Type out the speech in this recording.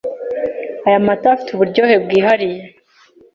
Aya mata afite uburyohe bwihariye.